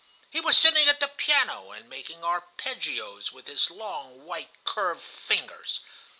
He was sitting at the piano and making arpeggios with his long, white, curved fingers.